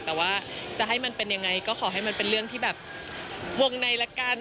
แต่ว่าจะให้มันเป็นยังไงก็ขอให้มันเป็นเรื่องที่แบบวงในละกัน